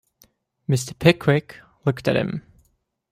Mr. Pickwick looked at him.